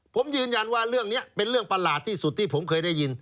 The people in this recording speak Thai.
ผมยืนยันว่าเรื่องนี้เป็นเรื่องประหลาดที่สุดที่ผมเคยได้ยิน